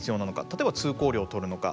例えば通行料を取るのか。